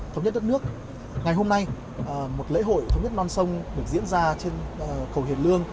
thống nhất đất nước ngày hôm nay một lễ hội thống nhất non sông được diễn ra trên cầu hiền lương